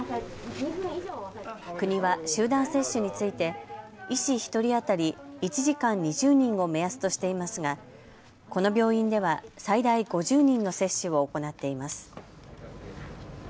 国は集団接種について医師１人当たり、１時間２０人を目安としていますがこの病院では最大５０人の接種を行っています。